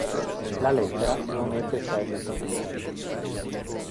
La lettera non ebbe seguito.